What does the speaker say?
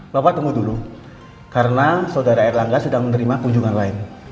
bapak tunggu dulu karena saudara r langga sudah menerima kunjungan lain